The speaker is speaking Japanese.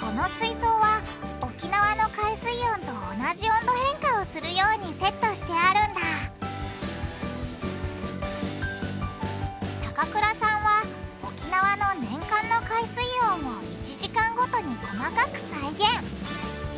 この水槽は沖縄の海水温と同じ温度変化をするようにセットしてあるんだ高倉さんは沖縄の年間の海水温を１時間ごとに細かく再現。